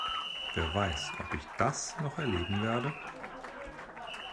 Wer weiß, ob ich das noch erleben werde?